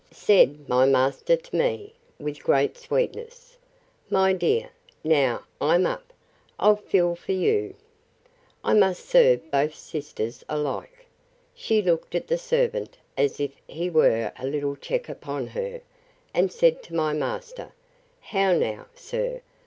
Said my master to me, with great sweetness, My dear, now I'm up, I'll fill for you!—I must serve both sisters alike! She looked at the servant, as if he were a little check upon her, and said to my master, How now, sir!